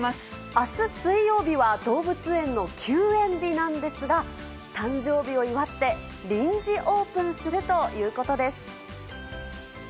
あす水曜日は動物園の休園日なんですが、誕生日を祝って、臨時オープンするということです。